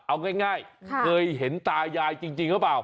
เอาง่ายเคยเห็นตายายจริงหรือเปล่า